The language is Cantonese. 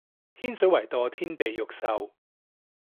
天水圍墮天地獄獸